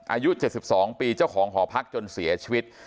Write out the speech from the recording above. อายุเจ็ดสิบสองปีเจ้าของหอพักจนเสียชีวิต